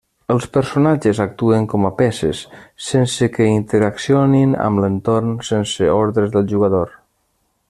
Els personatges actuen com a peces, sense que interaccionin amb l'entorn sense ordres del jugador.